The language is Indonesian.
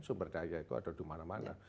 sumber daya itu ada dimana mana